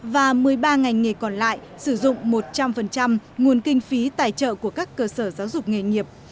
và một mươi ba ngành nghề còn lại sử dụng một trăm linh nguồn kinh phí tài trợ của các cơ sở giáo dục nghề nghiệp